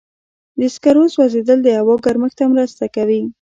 د سکرو سوځېدل د هوا ګرمښت ته مرسته کوي.